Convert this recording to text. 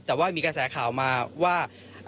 แต่ว่ามีกระแสข่าวมาว่า